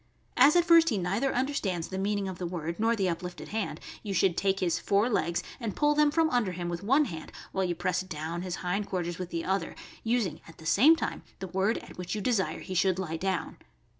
As at first he neither understands the mean ing of the word nor the uplifted hand, you should take his fore legs and pull them from under him with one hand while you press down his hind quarters with the other, using at the same time the word at which you desire he should lie down.